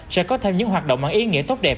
sẽ có thêm những hoạt động bằng ý nghĩa tốt đẹp